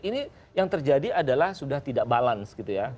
ini yang terjadi adalah sudah tidak balance gitu ya